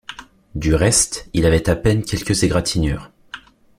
Du reste, il avait à peine quelques égratignures.